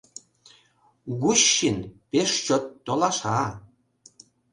Гущин пеш чот «толаша».